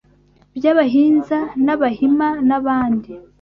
by’Abahinza n’Abahima n abandi,